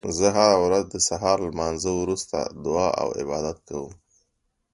زه هره ورځ د سهار لمانځه وروسته دعا او عبادت کوم